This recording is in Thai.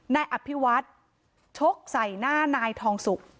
นายอภิวัฒน์ชกใส่หน้านายทองสุก